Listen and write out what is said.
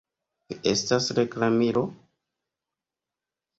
Vi estas reklamilo!?